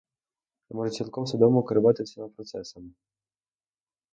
Я можу цілком свідомо керувати всіма процесами.